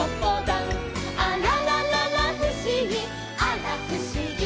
「あららららふしぎあらふしぎ」